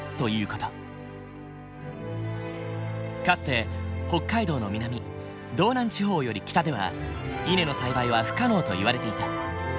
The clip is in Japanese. かつて北海道の南道南地方より北では稲の栽培は不可能といわれていた。